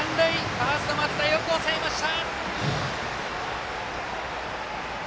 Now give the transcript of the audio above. ファースト、松田よく抑えました。